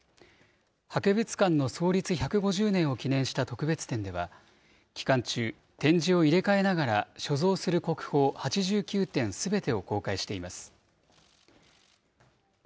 博物館の創立１５０年を記念した特別展では、期間中、展示を入れ替えながら所蔵する国宝８９点すべてを公開しています。